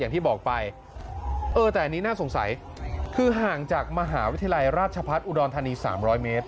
อย่างที่บอกไปเออแต่อันนี้น่าสงสัยคือห่างจากมหาวิทยาลัยราชพัฒน์อุดรธานี๓๐๐เมตร